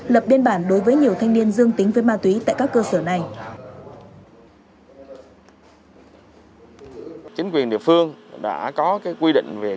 lập biên bản đối với nhiều thanh niên dương tính với ma túy tại các cơ sở này